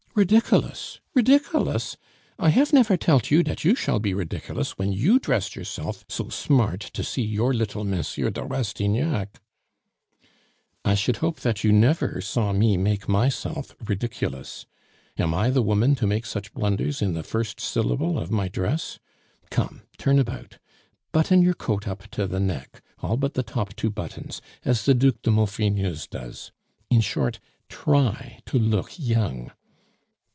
"Ridikilous, ridikilous! I hafe never telt you dat you shall be ridikilous when you dressed yourself so smart to see your little Mensieur de Rastignac!" "I should hope that you never saw me make myself ridiculous. Am I the woman to make such blunders in the first syllable of my dress? Come, turn about. Button your coat up to the neck, all but the two top buttons, as the Duc de Maufrigneuse does. In short, try to look young."